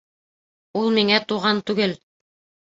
Ул миңә туған түгел.